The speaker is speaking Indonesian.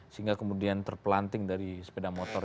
sehingga kemudian terpelanting dari sepeda motor